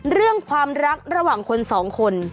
เรื่องความรักระหว่างคนสองคน